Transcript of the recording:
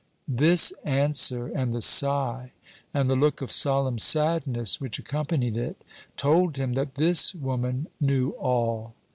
This answer, and the sigh, and the look of solemn sadness which accompanied it, told him that this woman knew all.